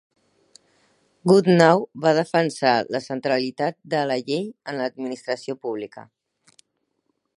Goodnow va defensar la centralitat de la llei en l'administració pública.